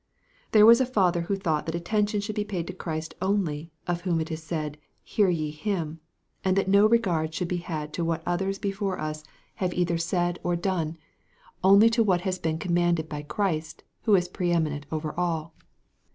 There was a father who thought that attention should be paid to Christ only, of whom it is said, "Hear ye him," and that no regard should be had to what others before us have either said or done, only to what has been commanded by Christ, who is preeminent over all.